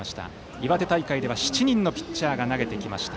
岩手大会では７人のピッチャーが投げてきました。